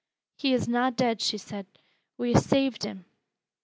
"He is na dead," she said. "We ha' saved him."